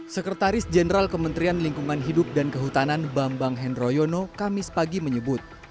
sekretaris jenderal kementerian lingkungan hidup dan kehutanan bambang hendroyono kamis pagi menyebut